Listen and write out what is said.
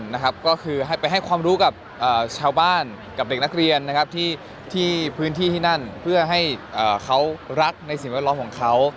ซึ่งก็คือให้ความรู้กับชาวบ้านเด็กนักเรียนเผื่อให้เขารักสิ่งวิดีโอเรียงของเขา